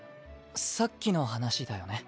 さっきの話だよね？